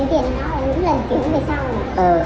không trúng thì mình mất